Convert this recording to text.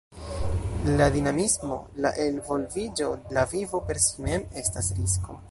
La dinamismo, la elvolviĝo, la vivo per si mem estas risko.